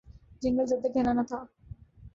جنگل زیادہ گھنا نہ تھا